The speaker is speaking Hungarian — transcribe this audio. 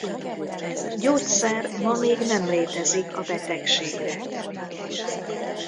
Gyógyszer ma még nem létezik a betegségre.